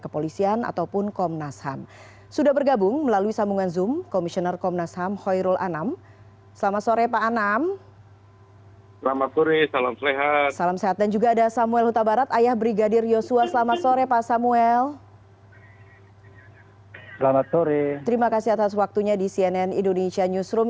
pak samuel terima kasih atas waktunya di cnn indonesia newsroom